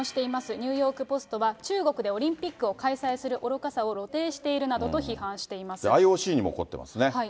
ニューヨーク・ポストは、中国でオリンピックを開催する愚かさを露呈しているなどと批判しＩＯＣにも怒ってますね。